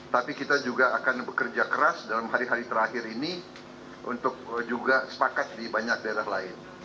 tapi kita juga akan bekerja keras dalam hari hari terakhir ini untuk juga sepakat di banyak daerah lain